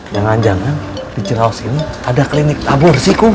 jangan jangan di jeraus ini ada klinik tabur sih kum